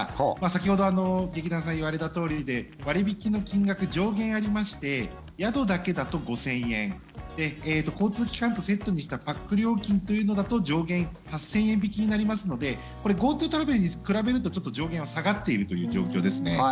先ほど劇団さん言われたとおりで割り引きの金額、上限ありまして宿だけだと５０００円交通機関とセットにしたパック料金というのだと上限８０００円引きになりますのでこれＧｏＴｏトラベルに比べると上限は下がっているという状況ですね。